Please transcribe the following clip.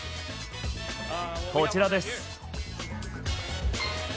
こちらです。